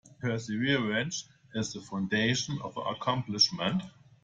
Perseverance is the foundation of accomplishment.